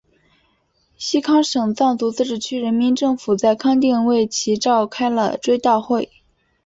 西康省藏族自治区人民政府在康定为其召开了追悼会。